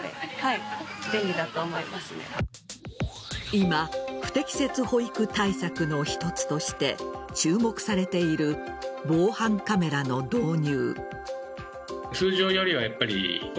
今不適切保育対策の一つとして注目されている防犯カメラの導入。